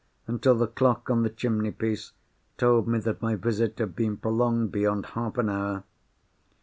until the clock on the chimney piece told me that my visit had been prolonged beyond half an hour.